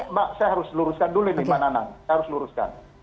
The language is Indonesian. mbak saya harus luruskan dulu nih mbak nana saya harus luruskan